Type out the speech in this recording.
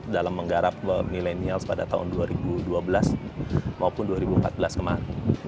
dalam menggarap milenials pada tahun dua ribu dua belas maupun dua ribu empat belas kemarin